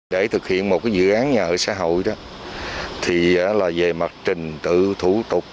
để thực hiện một dự án nhà ở xã hội đó thì là về mặt trình tự thủ tục